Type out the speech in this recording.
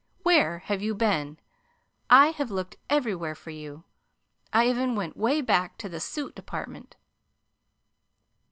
Where have you been? I have looked everywhere for you. I even went 'way back to the suit department."